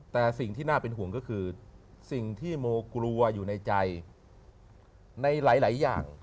แต่สิ่งที่น่าเป็นห่วงก็คือสิ่งที่โมกลัวอยู่ในใจในหลายอย่าง